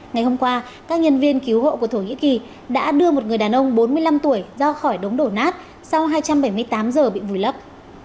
ngày hôm qua các nhân viên cứu hộ của thổ nhĩ kỳ đã đưa một người đàn ông bốn mươi năm tuổi ra khỏi đống đổ nát sau hai trăm bảy mươi tám giờ bị vùi lấp